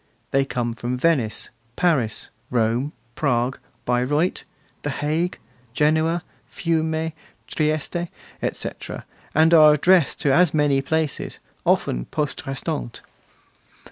They come from Venice, Paris, Rome, Prague, Bayreuth, The Hague, Genoa, Fiume, Trieste, etc., and are addressed to as many places, often poste restante.